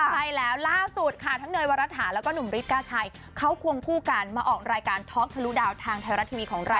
ใช่แล้วล่าสุดค่ะทั้งเนยวรฐาแล้วก็หนุ่มฤทธก้าชัยเขาควงคู่กันมาออกรายการท็อกทะลุดาวทางไทยรัฐทีวีของเรา